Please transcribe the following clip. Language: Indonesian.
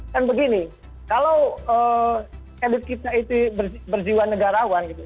dan begini kalau edut kita itu berjiwa negarawan